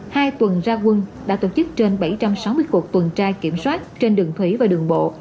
hai tuần ra quân đã tổ chức trên bảy trăm sáu mươi cuộc tuần tra kiểm soát trên đường thủy và đường bộ